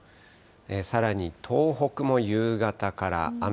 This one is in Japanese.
さらに東北も夕方から雨。